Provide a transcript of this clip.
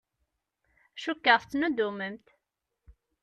Cukkeɣ tettnuddumemt.